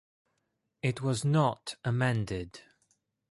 It was not amended.